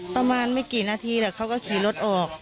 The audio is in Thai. ประมาณไม่กี่นาทีแล้วเขาก็ขี่รถออก